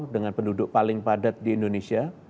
dengan penduduk paling padat di indonesia